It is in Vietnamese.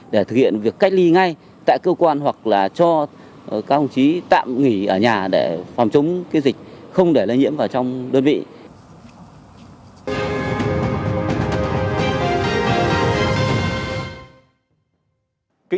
để thực hiện việc cách ly ngay tại cơ quan hoặc là cho các ông chí tạm nghỉ ở nhà để phòng chống dịch không để lây nhiễm vào trong đơn vị